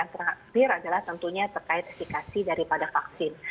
terakhir adalah tentunya terkait efekasi daripada vaksin